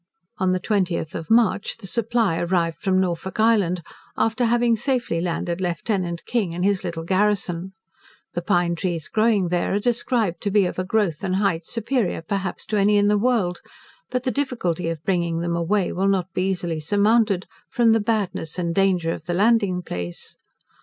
On the 20th of March, the 'Supply' arrived from Norfolk Island, after having safely landed Lieutenant King and his little garrison. The pine trees growing there are described to be of a growth and height superior, perhaps, to any in the world. But the difficulty of bringing them away will not be easily surmounted, from the badness and danger of the landing place.